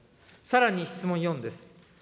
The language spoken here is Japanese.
さらに質問４です。